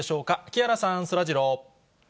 木原さん、そらジロー。